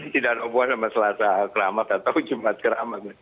tidak obon sama selasa keramat atau jembat keramat